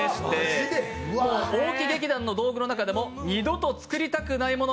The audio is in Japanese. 大木劇団の中でも２度と作りたくないもの